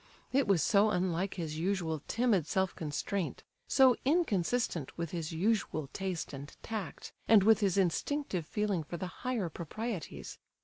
It was so unlike his usual timid self constraint; so inconsistent with his usual taste and tact, and with his instinctive feeling for the higher proprieties.